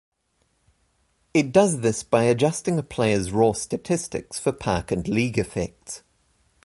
It does this by adjusting a player's raw statistics for park and league effects.